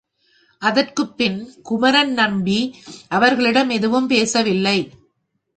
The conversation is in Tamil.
அதற்குப்பின் குமரன் நம்பி அவர்களிடம் எதுவும் பேச வில்லை.